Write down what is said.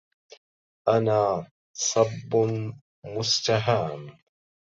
أنا صب مستهام